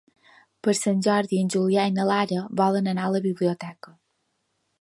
Per Sant Jordi en Julià i na Lara volen anar a la biblioteca.